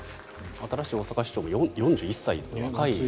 新しい大阪市長も４１歳と若いですね。